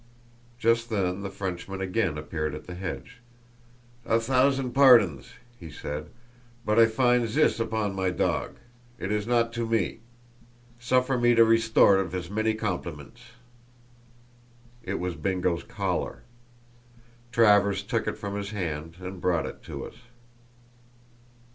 Just then the Frenchman again appeared at the hedge. "A thousand pardons," he said, "but I find zis upon my dog; it is not to me. Suffer me to restore it viz many compliments." It was Bingo's collar. Travers took it from his hand and brought it to us.